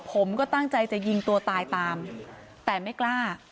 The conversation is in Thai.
ผมก็ตั้งใจจะยิงตัวตายตามแต่ไม่กล้า